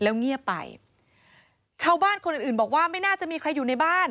แล้วเงียบไปชาวบ้านคนอื่นอื่นบอกว่าไม่น่าจะมีใครอยู่ในบ้าน